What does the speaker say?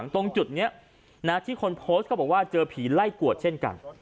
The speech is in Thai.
ตรงจุดนี้ที่คนโพสต์ก็บอกว่าเจอผีไล่กวดเช่นกัน